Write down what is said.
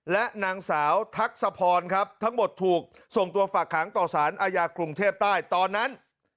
และนางสาวทักษะพรครับทั้งหมดถูกส่งตัวฝากขังต่อสารอาญากรุงเทพใต้ตอนนั้น